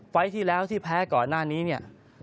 ไฟล์ที่แล้วที่แพ้ก่อนหน้านี้เนี่ย